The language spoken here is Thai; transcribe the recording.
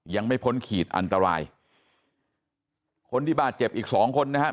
ยังไม่พ้นขีดอันตรายคนที่บาดเจ็บอีกสองคนนะครับ